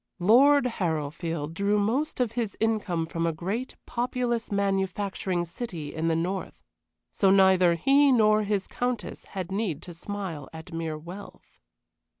Lord Harrowfield drew most of his income from a great, populous manufacturing city in the north, so neither he nor his countess had need to smile at mere wealth.